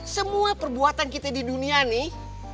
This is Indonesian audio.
semua perbuatan kita di dunia nih